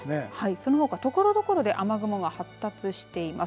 そのほかところどころで雨雲が発達しています。